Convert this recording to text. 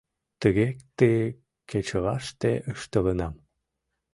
Тыге ты кечылаште ыштылынам.